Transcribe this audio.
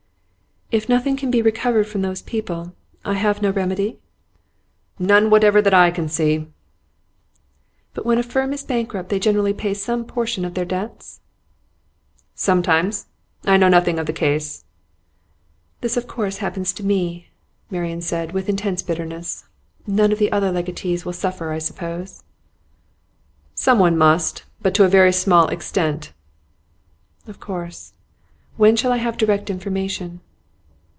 'If nothing can be recovered from those people, I have no remedy?' 'None whatever that I can see.' 'But when a firm is bankrupt they generally pay some portion of their debts?' 'Sometimes. I know nothing of the case.' 'This of course happens to me,' Marian said, with intense bitterness. 'None of the other legatees will suffer, I suppose?' 'Someone must, but to a very small extent.' 'Of course. When shall I have direct information?